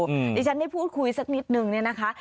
อืมฉันพูดคุยสักนิดนึงเลยนะคะ